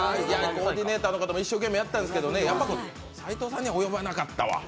コーディネーターの方も一生懸命やったんですけどね、斎藤さんには及ばなかったわ。